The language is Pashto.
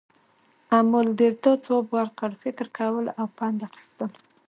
امالدرداء ځواب ورکړ، فکر کول او پند اخیستل.